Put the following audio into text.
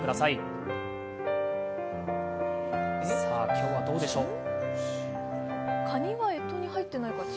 今日はどうでしょう？